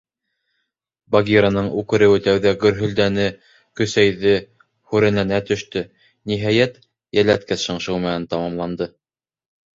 Багираның үкереүе тәүҙә гөрһөлдәне, көсәйҙе, һүрәнләнә төштө, ниһайәт, йәлләткес шыңшыу менән тамамланды.